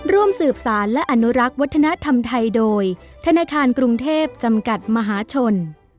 ร่วมสืบสารและอนุรักษ์วัฒนธรรมไทยโดยธนาคารกรุงเทพจำกัดมหาชน